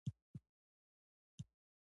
ښوونځي